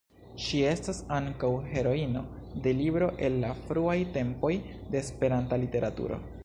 Ŝi estas ankaŭ heroino de libro el la fruaj tempoj de Esperanta literaturo.